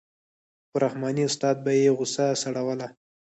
خو رحماني استاد به یې غوسه سړوله.